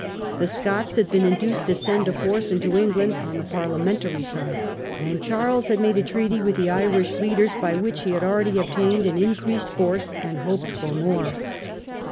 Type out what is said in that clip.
The Scots had been in both sides, duced to Send a force into England on the Par liamentary side, and Charles had made a treaty with the Irish 45 PURITANISM DIVIDED, leaders, by which he had already obtained an increased force and hoped for more.